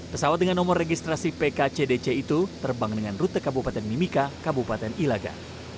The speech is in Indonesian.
pesawat dengan nomor registrasi pkcdc itu terbang dengan rute kabupaten mimika kabupaten ilaga